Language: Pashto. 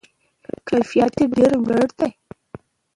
کیفیت یې ډیر لوړ دی.